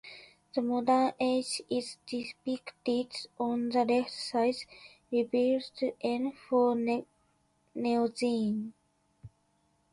The modern age is depicted on the left side, labeled N for Neogene.